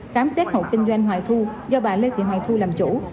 khám xét hộ kinh doanh hoài thu do bà lê thị hoài thu làm chủ